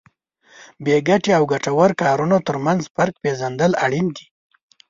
بې ګټې او ګټورو کارونو ترمنځ فرق پېژندل اړین دي.